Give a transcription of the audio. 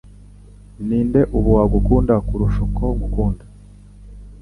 Ninde ubu wagukunda kurusha uko nkukunda